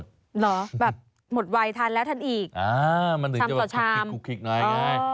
เหรอแบบหมดวัยทานแล้วทานอีกอ่ามันถึงจะแบบคลิกคลุกคลิกหน่อยอย่างเงี้ย